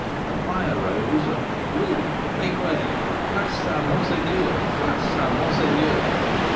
a cry arose of 'Room! make way! place a Monseigneur! place a Monseigneur!'